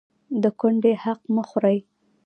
د کونډې حق مه خورئ